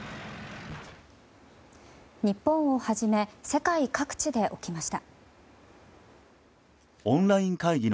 日本をはじめ世界各地で起きました。